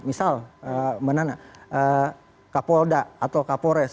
misal mana kak polda atau kak pores